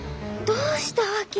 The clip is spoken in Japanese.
どうしたわけ？